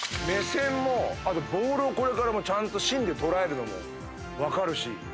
目線もあとボールをこれからちゃんと芯で捉えるのも分かるし。